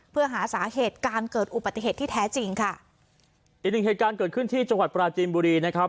เพื่อหาสาเหตุการเกิดอุบัติเหตุที่แท้จริงค่ะอีกหนึ่งเหตุการณ์เกิดขึ้นที่จังหวัดปราจีนบุรีนะครับ